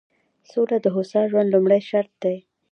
سوله د هوسا ژوند لومړنی شرط دی.